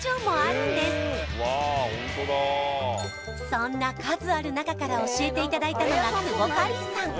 そんな数ある中から教えていただいたのがクボカリーさん